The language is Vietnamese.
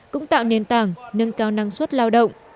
cũng tạo nền tảng nâng cao năng suất lao động